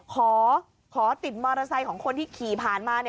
ขอติดมอเตอร์ไซค์ของคนที่ขี่ผ่านมา